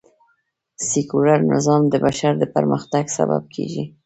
سکیولر نظام د بشر د پرمختګ سبب کېږي